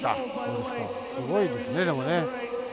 すごいですね、でもね。